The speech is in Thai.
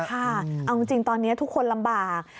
เอาจริงตอนนี้ทุกคนลำบาก